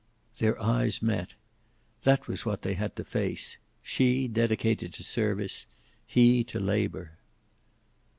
Their eyes met. That was what they had to face, she dedicated to service, he to labor.